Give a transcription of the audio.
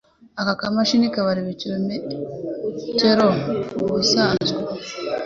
Aka kamashini kabara ibirometero ubusanzwe